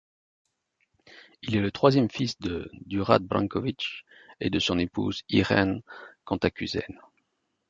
Il est le troisième fils de Đurađ Branković et de son épouse Irène Cantacuzène.